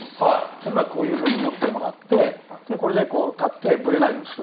例えばこういうふうに持ってもらってこれで立ってブレないようにするとか。